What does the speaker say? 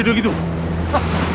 amur ampun ampun